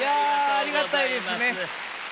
ありがたいですね。